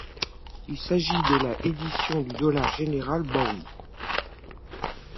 Il s'agit de la édition du Dollar General Bowl.